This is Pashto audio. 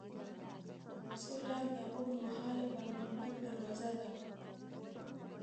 سوله د اوږدمهاله پرمختګ دروازه ده.